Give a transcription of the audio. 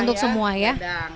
untuk semua ya